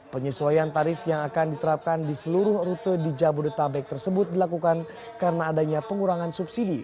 penyesuaian tarif yang akan diterapkan di seluruh rute di jabodetabek tersebut dilakukan karena adanya pengurangan subsidi